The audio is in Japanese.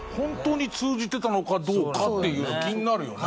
本当に通じてたのかどうかっていうの気になるよね。